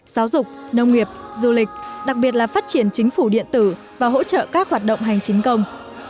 giáo dục nông nghiệp du lịch đặc biệt là phát triển chính phủ điện tử và hỗ trợ các hoạt động hành chính công